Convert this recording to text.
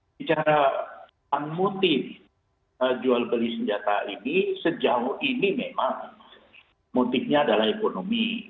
bicara tentang motif jual beli senjata ini sejauh ini memang motifnya adalah ekonomi